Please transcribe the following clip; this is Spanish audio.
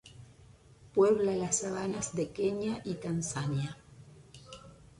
Puebla las sabanas de Kenia y Tanzania.